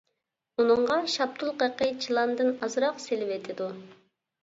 ئۇنىڭغا شاپتۇل قېقى، چىلاندىن ئازراق سېلىۋېتىدۇ.